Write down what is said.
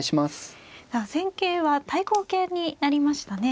さあ戦型は対抗型になりましたね。